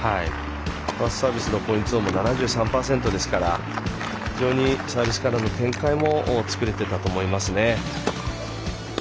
ファーストサービスのポインツウォンも７３％ですから非常にサービスからの展開も作れていたと思いますね。